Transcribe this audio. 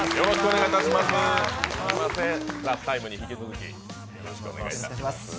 「ＴＨＥＴＩＭＥ，」に引き続きよろしくお願いいたします。